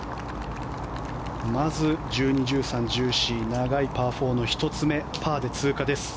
まず１２、１３、１４長いパー４の１つ目、パーで通過です。